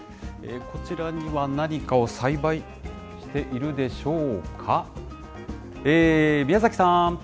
こちらには何かを栽培しているでしょうか。